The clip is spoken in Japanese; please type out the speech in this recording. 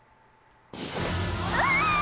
うわ！